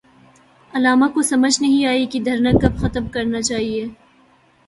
علامہ کو سمجھ نہ آئی کہ دھرنا کب ختم کرنا چاہیے۔